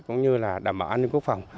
cũng như là đảm bảo an ninh quốc pháp